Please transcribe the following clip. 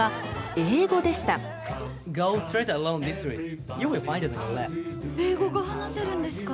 英語が話せるんですか。